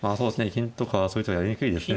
金とかはそういう手はやりにくいですね